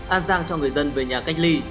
an giang cho người dân về nhà cách ly